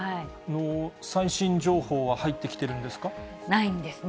最新情報は入ってきてるんでないんですね。